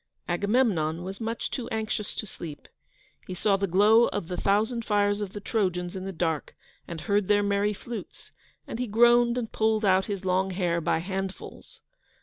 Agamemnon was much too anxious to sleep. He saw the glow of the thousand fires of the Trojans in the dark, and heard their merry flutes, and he groaned and pulled out his long hair by handfuls.